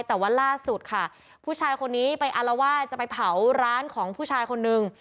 แต่ว่าล่าสุดค่ะผู้ชายคนนี้ไปอารวาสจะไปเผาร้านของผู้ชายคนนึง